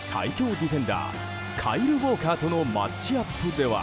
ディフェンダーカイル・ウォーカーとのマッチアップでは。